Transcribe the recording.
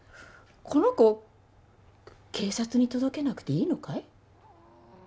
この子警察に届けなくていいのかい？